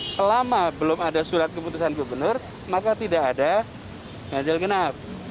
selama belum ada surat keputusan gubernur maka tidak ada ganjil genap